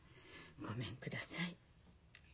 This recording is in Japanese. ごめんください。